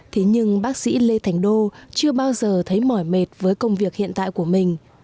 thế nhưng bác sĩ lê thành đô chưa bao giờ thấy mỏi mệt với công việc hiện tại của mình